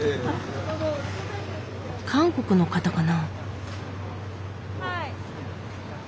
韓国の方かな？